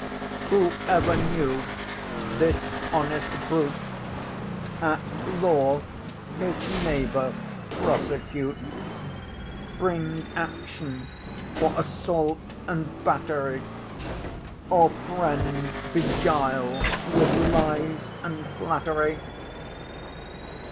"Who ever knew this honest brute At law his neighbour prosecute; Bring action for assault and battery, Or friend beguile with lies and flattery?